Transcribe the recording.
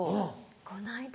この間。